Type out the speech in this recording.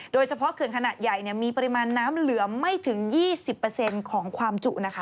เขื่อนขนาดใหญ่มีปริมาณน้ำเหลือไม่ถึง๒๐ของความจุนะคะ